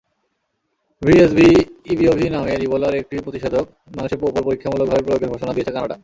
VSV-EBOV নামের ইবোলার একটি প্রতিষেধক মানুষের ওপর পরীক্ষামূলকভাবে প্রয়োগের ঘোষণা দিয়েছে কানাডা।